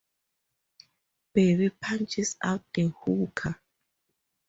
Babe punches out the hooker.